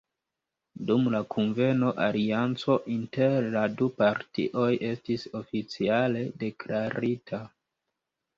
Dum la kunveno, alianco inter la du partioj estis oficiale deklarita.